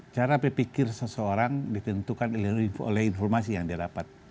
cara berpikir seseorang ditentukan oleh informasi yang dia dapat